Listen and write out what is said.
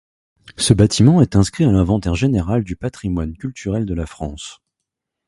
Ce bâtiment est inscrit à l’Inventaire général du patrimoine culturel de la France.